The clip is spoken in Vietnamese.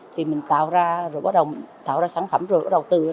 thì mình tạo ra sản phẩm rồi đầu tư